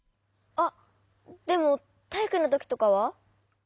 あっでもたいいくのときとかは？